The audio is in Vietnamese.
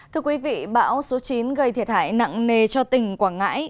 thưa quý vị bão số chín gây thiệt hại nặng nề cho tỉnh quảng ngãi